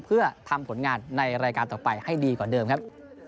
เพื่อทำผลงานในรายการต่อไปให้ดีกว่าเดิมครับ